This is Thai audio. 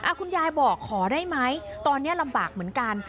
คุณยายบอกขอได้ไหมตอนนี้ลำบากเหมือนกัน